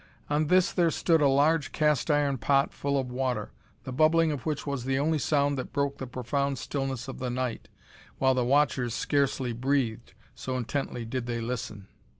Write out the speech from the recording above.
On this there stood a large cast iron pot full of water, the bubbling of which was the only sound that broke the profound stillness of the night, while the watchers scarcely breathed, so intently did they listen.